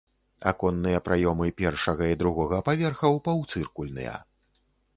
Аконныя праёмы першага і другога паверхаў паўцыркульныя.